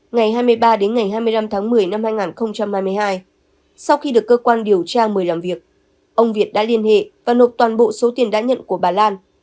ngày hai mươi ba đến ngày hai mươi năm tháng một mươi năm hai nghìn hai mươi hai sau khi được cơ quan điều tra mời làm việc ông việt đã liên hệ và nộp toàn bộ số tiền đã nhận của bà lan